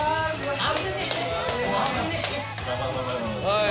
はい。